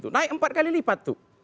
naik empat kali lipat tuh